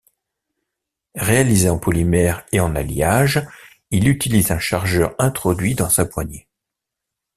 Réalisé en polymère et en alliage, il utilise un chargeur introduit dans sa poignée.